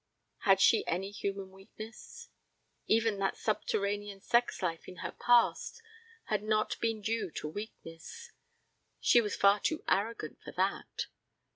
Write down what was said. Had she any human weakness? Even that subterranean sex life in her past had not been due to weakness. She was far too arrogant for that.